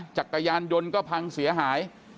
จักรยานยนต์ก็พังเสียหาย